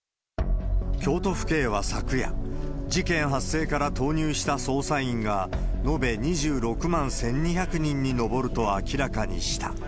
京都府警は昨夜、事件発生から投入した捜査員が、延べ２６万１２００人に上ると明らかにした。